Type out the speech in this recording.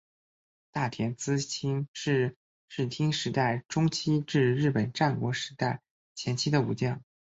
太田资清是室町时代中期至日本战国时代前期的武将。